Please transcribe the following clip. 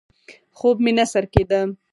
خوب مې نه سر کېده.